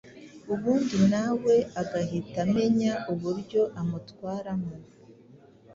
ubundi nawe agahita amenya uburyo amutwaramo,